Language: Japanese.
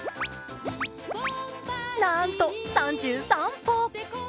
なんと、３３歩！